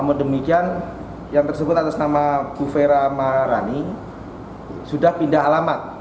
namun demikian yang tersebut atas nama bu fera marani sudah pindah alamat